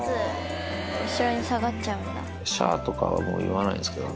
しゃーとかは、もう言わないんですけどね。